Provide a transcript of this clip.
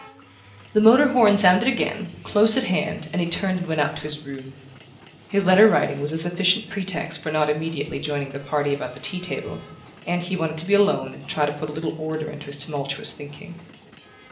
The motor horn sounded again, close at hand, and he turned and went up to his room. His letter writing was a sufficient pretext for not immediately joining the party about the tea table, and he wanted to be alone and try to put a little order into his tumultuous thinking.